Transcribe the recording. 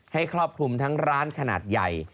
ครอบคลุมทั้งร้านขนาดใหญ่